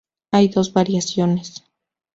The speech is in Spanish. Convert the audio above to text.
Hay dos variaciones.